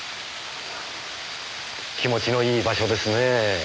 気持ちのいい場所ですねぇ。